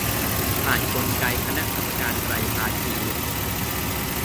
ผ่านกลไกคณะกรรมการไตรภาคี